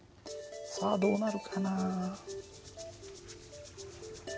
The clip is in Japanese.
さあどうなるかな？